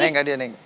neng gadiah neng